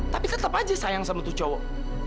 tapi tetap aja sayang sama tuh cowok